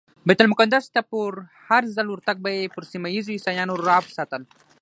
بیت المقدس ته په هرځل ورتګ به یې پر سیمه ایزو عیسویانو رعب ساتل.